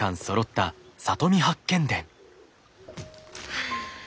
はあ。